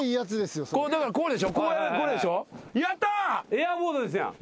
エアーボードですやん。